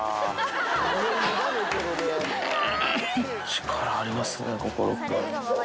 力ありますね、心君。